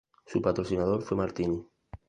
Su patrocinador fue Martini.